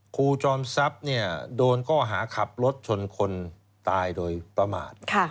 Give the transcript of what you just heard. ครูจอมทรัพย์โดนข้อหาขับรถชนคนตายโดยประมาท